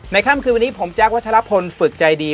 ค่ำคืนวันนี้ผมแจ๊ควัชลพลฝึกใจดี